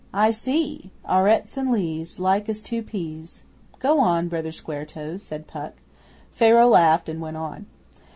'I see Aurettes and Lees Like as two peas. Go on, Brother Square toes,' said Puck. Pharaoh laughed and went on.